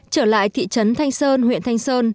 trở lại thị trấn thanh sơn huyện thanh sơn